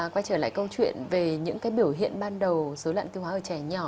quay trở lại câu chuyện về những biểu hiện ban đầu dối lận tiêu hóa ở trẻ nhỏ